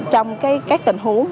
trong các tình huống